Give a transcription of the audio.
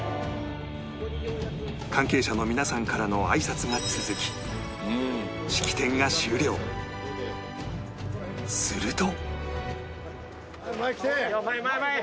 関係者の皆さんからのあいさつが続きすると